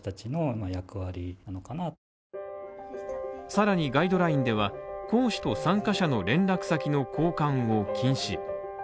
さらにガイドラインでは、講師と参加者の連絡先の交換を禁止。